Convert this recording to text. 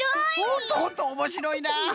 ほんとほんとおもしろいな。